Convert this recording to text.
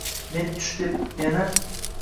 Men tush debman yana